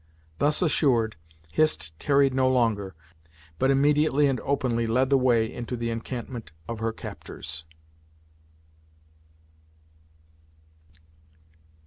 Thus assured, Hist tarried no longer, but immediately and openly led the way into the encampment of her captors.